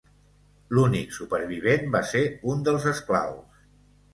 L'únic supervivent va ser un dels esclaus.